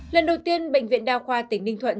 lần đầu tiên bệnh viện đa khoa tỉnh ninh thuận